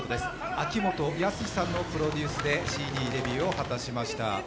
秋元康さんのプロデュースでＣＤデビューを果たしました。